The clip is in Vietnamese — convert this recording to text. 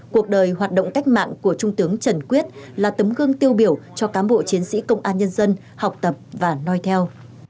cuộc đời hoạt động cách mạng của trung tướng trần quyết là tấm gương tiêu biểu cho cám bộ chiến sĩ công an nhân dân học tập và nói theo